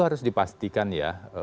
harus dipastikan ya